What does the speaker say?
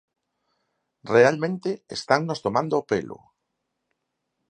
Realmente, estannos tomando o pelo.